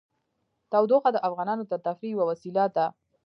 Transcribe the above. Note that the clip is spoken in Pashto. تودوخه د افغانانو د تفریح یوه وسیله ده.